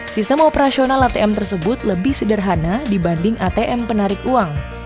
sistem operasional atm tersebut lebih sederhana dibanding atm penarik uang